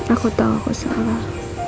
aku tahu aku salah